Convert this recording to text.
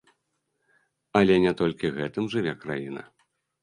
Але не толькі гэтым жыве краіна.